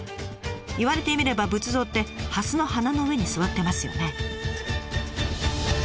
言われてみれば仏像って蓮の花の上に座ってますよね。